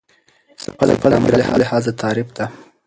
څپه د ګرامر لحاظه تعریف ده.